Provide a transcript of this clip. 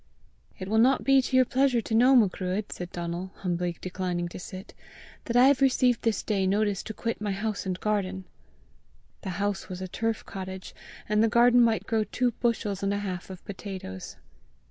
"It will not be to your pleasure to know, Macruadh," said Donal, humbly declining to sit, "that I have received this day notice to quit my house and garden!" The house was a turf cottage, and the garden might grow two bushels and a half of potatoes.